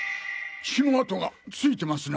血の跡が付いてますな。